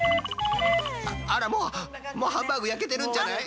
あらもうもうハンバーグ焼けてるんじゃない？